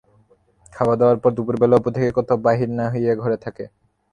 খাওয়া-দাওয়ার পর দুপুরবেলা অপু কোথাও বাহির না হইয়া ঘরে থাকে।